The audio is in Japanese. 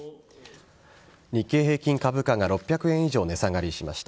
日経平均株価が６００円以上値下がりしました。